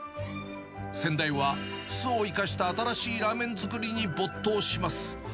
先代は酢を生かした新しいラーメン作りに没頭します。